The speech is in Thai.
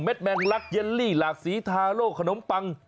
แมงลักเย็นลี่หลากสีทาโลกขนมปัง